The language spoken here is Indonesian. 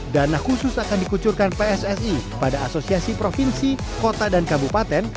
dana khusus akan dikucurkan pssi pada asosiasi provinsi kota dan kabupaten